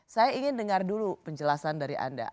saya ingin dengar dulu penjelasan dari anda